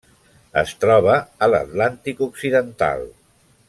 Es troba a l'Atlàntic occidental: